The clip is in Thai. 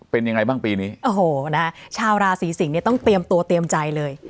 เป็นยังไงบ้างปีนี้โอ้โหนะฮะชาวราศีสิงศ์เนี่ยต้องเตรียมตัวเตรียมใจเลย